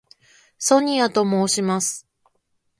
ソニアと申します。